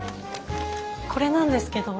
これなんですけど。